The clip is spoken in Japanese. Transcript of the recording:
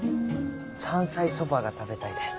山菜そばが食べたいです。